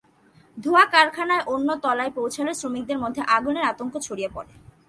ধোঁয়া কারখানার অন্য তলায় পৌঁছালে শ্রমিকদের মধ্যে আগুনের আতঙ্ক ছড়িয়ে পড়ে।